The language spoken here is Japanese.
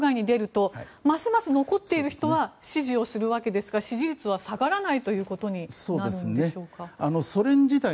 反プーチンの人たちが国外に出るとますます残っている人は支持するわけですから支持率は下がらないことになるんでしょうか。